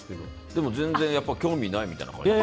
でも全然興味ないみたいな感じ？